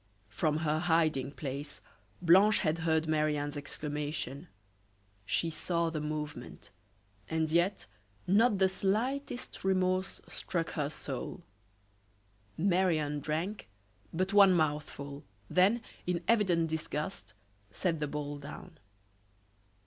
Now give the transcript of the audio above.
From her hiding place Blanche had heard Marie Anne's exclamation; she saw the movement, and yet not the slightest remorse struck her soul. Marie Anne drank but one mouthful, then, in evident disgust, set the bowl down.